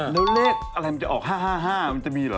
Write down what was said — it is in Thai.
แล้วเลขอะไรมันจะออก๕๕มันจะมีเหรอ